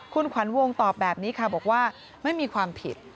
คุณขวัญวงตอบแบบนี้ค่ะบอกว่าไม่มีความผิด